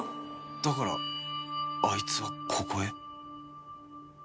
だからあいつはここへ？